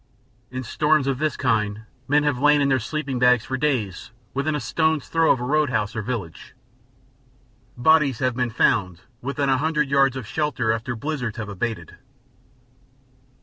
In storms of this kind men have lain in their sleeping bags for days within a stone's throw of a road house or village. Bodies have been found within a hundred yards of shelter after blizzards have abated.